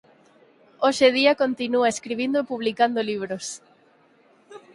Hoxe día continúa escribindo e publicando libros.